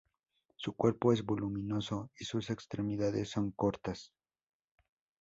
Su cuerpo es voluminoso y sus extremidades son cortas.